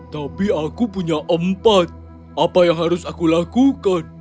tapi aku punya empat apa yang harus aku lakukan